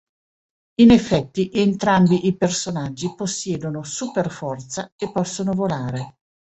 In effetti entrambi i personaggi possiedono superforza e possono volare.